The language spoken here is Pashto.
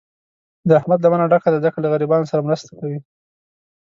د احمد لمنه ډکه ده، ځکه له غریبانو سره مرستې کوي.